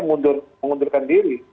mengundur mengundurkan diri